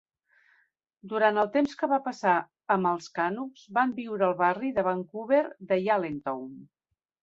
Durant el temps que va passar amb els Canucks, van viure al barri de Vancouver de Yaletown.